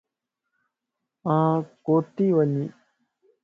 آن ڪوتي وڃين